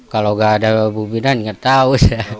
kalau tidak ada ibu bidan tidak tahu